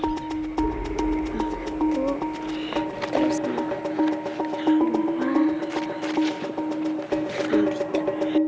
satu dua tiga